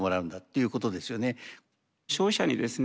消費者にですね